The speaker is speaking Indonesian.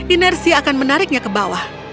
inersi akan menariknya ke bawah